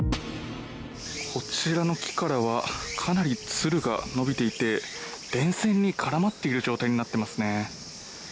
こちらの木からはかなりツルが伸びていて電線に絡まっている状態になっていますね。